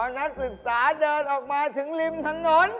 นักศึกษาเดินออกมาถึงริมถนน